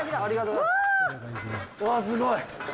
うわすごい！